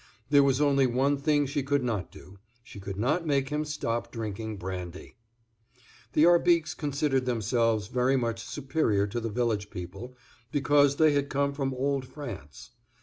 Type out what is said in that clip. There was only one thing she could not do; she could not make him stop drinking brandy. The Arbiques considered themselves very much superior to the village people, because they had come from old France.